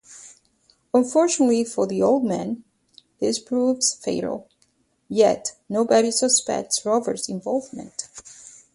Unfortunately for the old man this proves fatal, yet nobody suspects Robert's involvement.